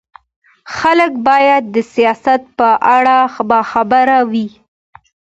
خلک باید د سیاست په اړه باخبره وي